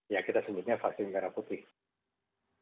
ya kita sebutnya vaksin merah putih